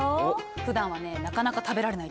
ふだんはねなかなか食べられない